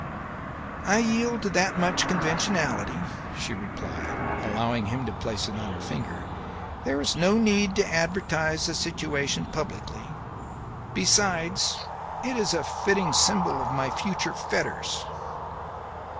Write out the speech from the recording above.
"I yield that much to conventionality," she replied, allowing him to place it on her finger; "there is no need to advertise the situation publicly; besides, it is a fitting symbol of my future fetters."